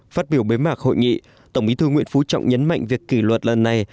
phát biểu bế mạc hội nghị tổng bí thư nguyễn phú trọng nhấn mạnh việc kỷ luật lần này